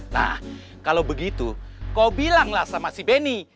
nah kalau begitu kau bilanglah sama si beni